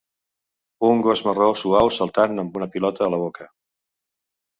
Un gos marró suau saltant amb una pilota a la boca.